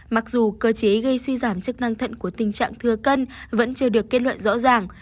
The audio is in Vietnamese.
mặc dù cơ chế gây suy giảm chức năng thận của tình trạng thừa cân vẫn chưa được kết luận rõ ràng